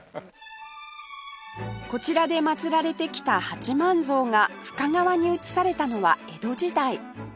こちらで祭られてきた八幡像が深川に移されたのは江戸時代